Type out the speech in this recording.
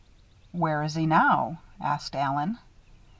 "Where is he now?" asked Allen.